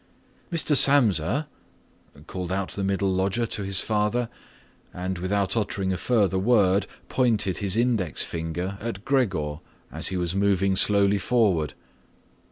"Mr. Samsa," called out the middle lodger to the father and, without uttering a further word, pointed his index finger at Gregor as he was moving slowly forward.